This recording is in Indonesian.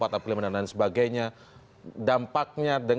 terima kasih pak